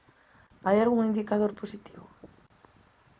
¿Hai algún indicador positivo?